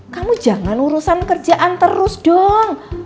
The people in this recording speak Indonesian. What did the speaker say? kamu jangan urusan kerjaan terus dong